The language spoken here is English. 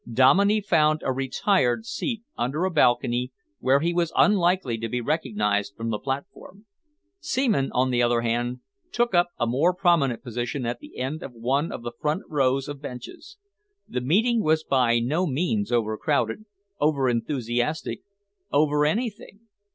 Dominey found a retired seat under a balcony, where he was unlikely to be recognised from the platform. Seaman, on the other hand, took up a more prominent position at the end of one of the front rows of benches. The meeting was by no means overcrowded, over enthusiastic, over anything.